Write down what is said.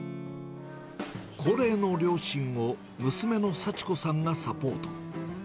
高齢の両親を娘の幸子さんがサポート。